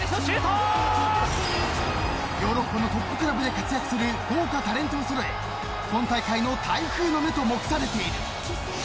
ヨーロッパのトップクラブで活躍する豪華タレントをそろえ今回の台風の目と目されている。